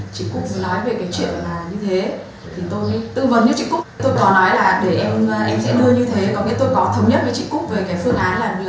chị cúc nói về chuyện là như thế tôi tư vấn với chị cúc tôi có nói là em sẽ đưa như thế tôi có thống nhất với chị cúc về phương án là đưa quà là đưa như thế